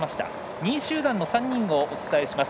２位集団の３人をお伝えします。